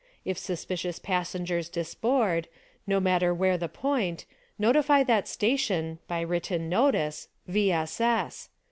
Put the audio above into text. If suspjcious passengers disboard — no matter where the point— notify that station (by 'written notice) — V. S. S.